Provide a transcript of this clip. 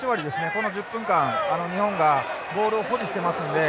この１０分間日本がボールを保持してますんで。